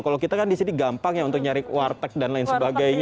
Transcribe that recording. kalau kita kan di sini gampang ya untuk nyari warteg dan lain sebagainya